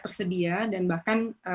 tersedia dan bahkan